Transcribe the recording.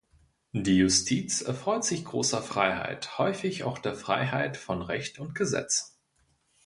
Die Justiz erfreut sich großer Freiheit, häufig auch der Freiheit von Recht und Gesetz.